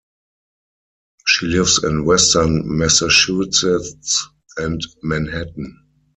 She lives in western Massachusetts and Manhattan.